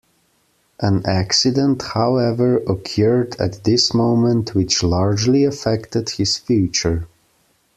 An accident, however, occurred at this moment which largely affected his future.